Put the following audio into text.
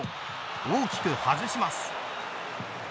大きく外します。